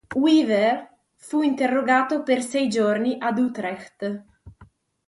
Wever fu interrogato per sei giorni ad Utrecht.